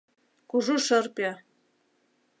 — Кужу шырпе!